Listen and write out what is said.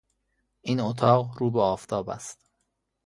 این اتاق رو به آفتاب است.